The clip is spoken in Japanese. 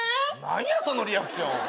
何やそのリアクション。